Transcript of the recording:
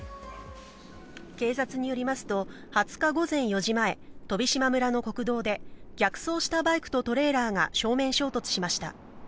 警察によりますと、２０日午前４時前、飛島村の国道で、逆走したバイクとトレーラーが正面衝突しました。